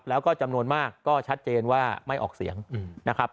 แล้วก็จำนวนมากก็ชัดเจนว่าไม่ออกเสียงนะครับ